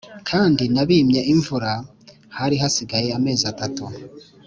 Kandi nabimye imvura hari hasigaye amezi atatu